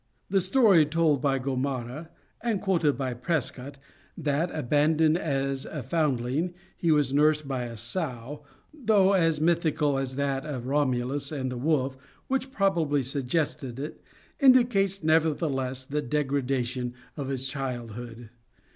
The story told by Gomara, and quoted by Prescott, that, abandoned as a foundling, he was nursed by a sow, though as mythical as that of Romulus and the wolf, which probably suggested it, indicates nevertheless the degradation of his childhood.